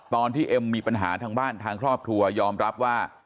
เอ็มมีปัญหาทางบ้านทางครอบครัวยอมรับว่า